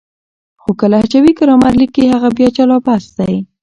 خو که لهجوي ګرامر ليکي هغه بیا جلا بحث دی.